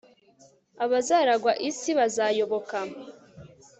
abazaragwa isi bazayoboka